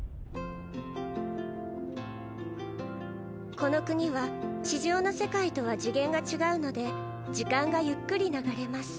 この国は地上の世界とは次元が違うので時間がゆっくり流れます。